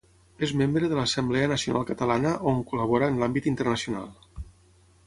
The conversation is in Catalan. És membre de l'Assemblea Nacional Catalana on col·labora en l'àmbit internacional.